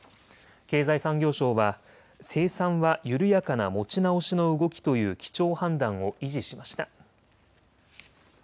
経済産業省は生産は緩やかな持ち直しの動きという基調判断を維持しました。